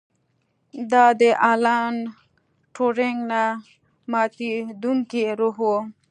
دا د الن ټورینګ نه ماتیدونکی روح و